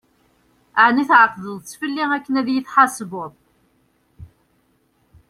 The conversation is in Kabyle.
Ɛni tεeqdeḍ-t fell-i akken ad yi-d-tḥesbeḍ?